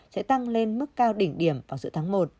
sẽ tăng lên mức cao đỉnh điểm vào giữa tháng một